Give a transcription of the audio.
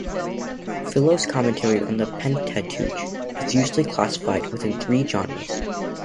Philo's commentary on the Pentateuch is usually classified within three genres.